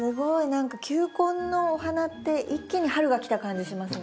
何か球根のお花って一気に春が来た感じしますね。